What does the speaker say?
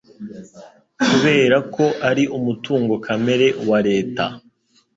Kubera ko ari umutungo kamere wa reta